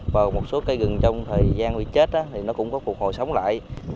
và một số cây rừng trong thời gian bị chết thì nó cũng có phục hồi sống lại